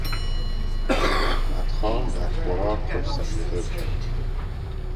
عمو احمد خان در خوراک خوش سلیقه بود.